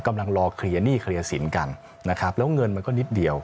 กำลังรอเคลียร์หนี้เคลียร์สินกันแล้วเงินมันก็นิดเดียว